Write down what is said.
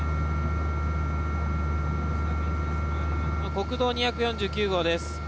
国道２４９号です。